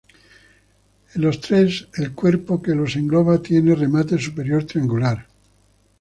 En los tres el cuerpo que los engloba tiene remate superior triangular.